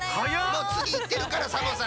もうつぎいってるからサボさん。